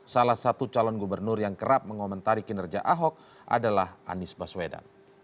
salah satu calon gubernur yang kerap mengomentari kinerja ahok adalah anies baswedan